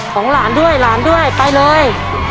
ของหลานด้วยหลานด้วยไปเลย